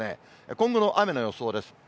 今後の雨の予想です。